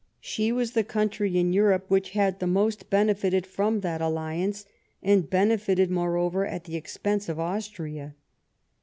She was the country in Europe which had the most benefited from that alliance, and benefited, moreover, at the expense of Austria.